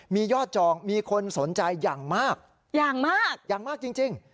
มียอดจองมีคนสนใจอย่างมากอย่างมากอย่างมากจริง